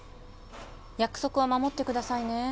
約束は守ってくださいね